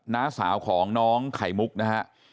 น้าสาวของน้องไข่มุกนะฮะ